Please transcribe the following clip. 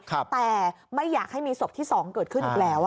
แต่ไม่อยากให้มีศพที่๒เกิดขึ้นอีกแล้ว